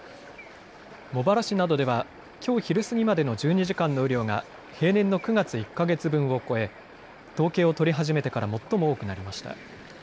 茂原市などではきょう昼過ぎまでの１２時間の雨量が平年の９月１か月分を超え統計を取り始めてから最も多くなりました。